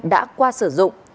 đã qua sử dụng